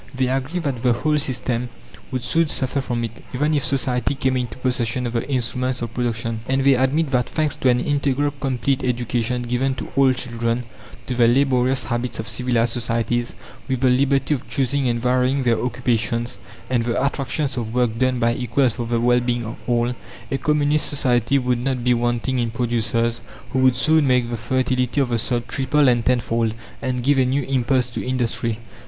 They agree that the whole system would soon suffer from it, even if Society came into possession of the instruments of production. And they admit that, thanks to an "integral" complete education given to all children, to the laborious habits of civilized societies, with the liberty of choosing and varying their occupations and the attractions of work done by equals for the well being of all, a Communist society would not be wanting in producers who would soon make the fertility of the soil triple and tenfold, and give a new impulse to industry.